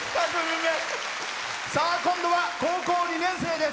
今度は高校２年生です。